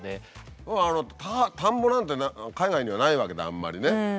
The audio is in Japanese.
田んぼなんて海外にはないわけだあんまりね。